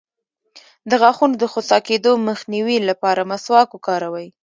د غاښونو د خوسا کیدو مخنیوي لپاره مسواک وکاروئ